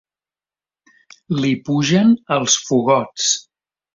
Li pugen els fogots.